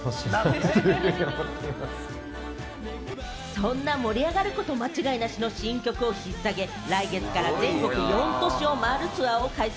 そんな盛り上がること間違いなしの新曲を引っ提げ、来月から全国４都市を回るツアーを開催。